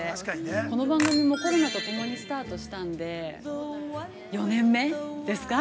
この番組もコロナとともにスタートしたんで４年目ですか。